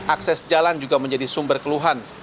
akses jalan juga menjadi sumber keluhan